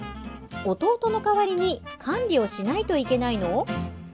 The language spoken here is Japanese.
弟の代わりに管理をしないといけないの？